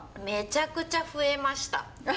めちゃくちゃ増えました。